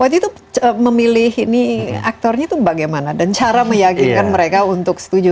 waktu itu memilih ini aktornya itu bagaimana dan cara meyakinkan mereka untuk setuju